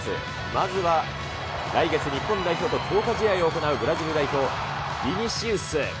まずは来月日本代表と強化試合を行うブラジル代表、ビニシウス。